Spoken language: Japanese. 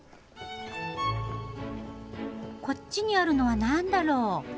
こっちにあるのは何だろう？